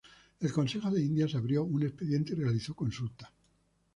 El Consejo de Indias abrió un expediente y realizó consultas.